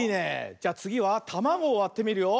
じゃつぎはたまごをわってみるよ。